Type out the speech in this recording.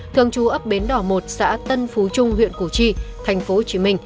thường trú ấp bến đỏ một xã tân phú trung huyện củ chi tp hcm